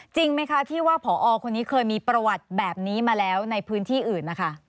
จริงไหมคะที่ว่าผอคนนี้เคยมีประวัติแบบนี้มาแล้วในพื้นที่อื่นนะคะ